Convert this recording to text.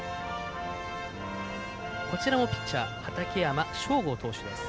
こちらもピッチャー畠山将豪投手です。